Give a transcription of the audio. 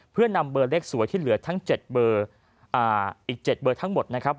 เพื่อนำเบอร์เลขสวยที่เหลือทั้ง๗อีก๗เบอร์ทั้งหมดนะครับ